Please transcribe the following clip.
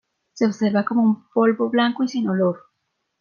Se observa como un polvo blanco y sin olor.